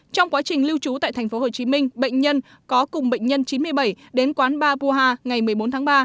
trong quá trình lưu trú tại tp hcm bệnh nhân có cùng bệnh nhân chín mươi bảy đến quán bar buha ngày một mươi bốn tháng ba